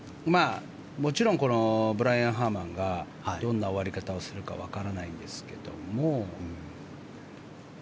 もちろんこのブライアン・ハーマンがどんな終わり方をするのかわからないんですけども。